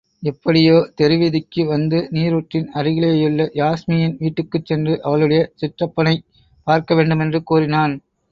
எப்படியோ, தெருவீதிக்கு வந்து, நீருற்றின் அருகிலேயுள்ள யாஸ்மியின் வீட்டுக்குச்சென்று, அவளுடைய சிற்றப்பனைப் பார்க்க வேண்டுமென்று கூறினான்.